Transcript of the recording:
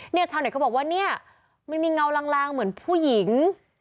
ชาวเน็ตก็บอกว่าเนี่ยมันมีเงาลางเหมือนผู้หญิง